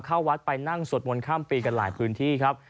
เข้าวัดไปนั่งสวดมนต์ข้ามปีกันหลายพื้นที่ครับ